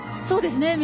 そうですね。